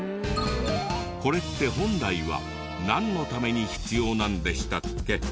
これって本来はなんのために必要なんでしたっけ？